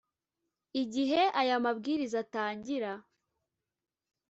igihe aya mabwiriza atangira